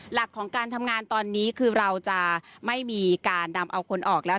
หลักของการทำงานตอนนี้คือเราจะไม่มีการนำเอาคนออกแล้ว